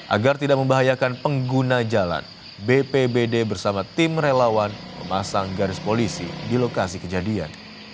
agar tidak membahayakan pengguna jalan bpbd bersama tim relawan memasang garis polisi di lokasi kejadian